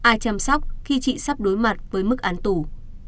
ai chăm sóc khi chị sắp đối mặt với mức án tù